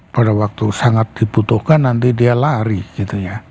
pada waktu sangat dibutuhkan nanti dia lari gitu ya